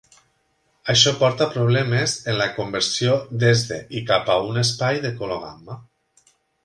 Això porta a problemes en la conversió des de i cap a un espai de color gamma.